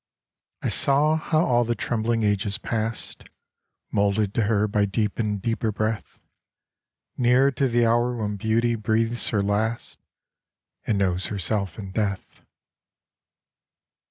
I saw how all the trembling ages past, Moulded to her by deep and deeper breath, Neared to the hour when Beauty breathes her last And knows herself in death.